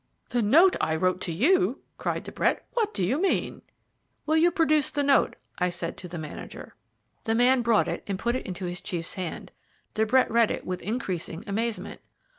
"The note I wrote to you!" cried De Brett. "What do you mean?" "Will you produce the note?" I said to the manager. The man brought it and put it into his chief's hand. De Brett read it with increasing amazement.